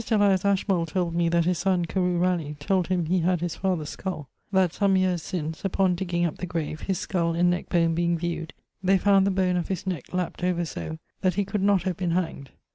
Elias Ashmole told me that his son Carew Ralegh told him he had his father's skull; that some yeares since, upon digging up the grave, his skull and neck bone being viewed, they found the bone of his neck lapped over so, that he could not have been hanged.